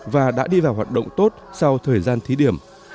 và đã đi vào hoạt động tốt sau thời gian thí điểm